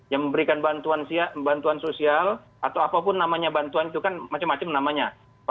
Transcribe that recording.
yang memberikan bantuan sosial atau apapun namanya bantuan itu kan macam macam namanya